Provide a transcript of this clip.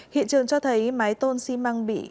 hiện trường cho thấy mái tôn xi măng bị